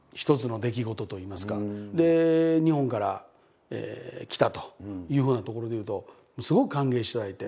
で日本から来たというふうなところで言うとすごく歓迎していただいて。